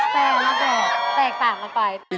แปลกนะแปลกแปลกต่างกันไป